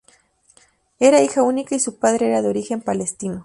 Era hija única y su padre era de origen palestino.